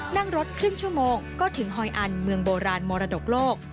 นั่งรถครึ่งชั่วโมงก็ถึงหอยอันเมืองโบราณมรดกโลก